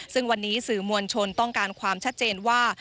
ซึ่งวันนี้สื่อมวลชนต้องการความชัดเจนว่า